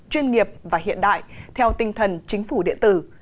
chuyên nghiệp và hiện đại theo tinh thần chính phủ điện tử